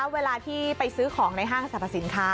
เวลาที่ไปซื้อของในห้างสรรพสินค้า